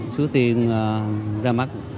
sú tiên ra mắt